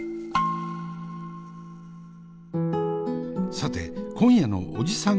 さて今夜のおじさん